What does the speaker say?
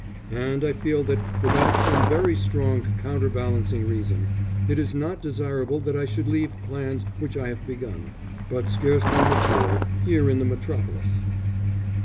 And I feel that without some very strong counter balancing reason, it is not desirable that I should leave plans which I have begun, but scarcely matured, in the Metropolis.